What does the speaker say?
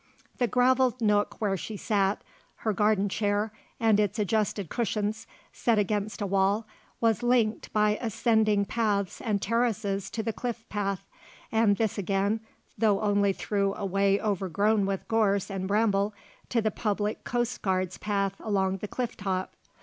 The gravelled nook where she sat, her garden chair, with its adjusted cushions, set against a wall, was linked by ascending paths and terraces to the cliff path, and this again, though only through a way overgrown with gorse and bramble, to the public coast guards' path along the cliff top.